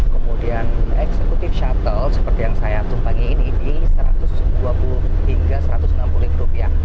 kemudian eksekutif shuttle seperti yang saya tumpangi ini rp satu ratus dua puluh hingga rp satu ratus enam puluh